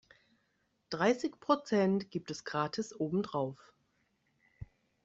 Dreißig Prozent gibt es gratis obendrauf.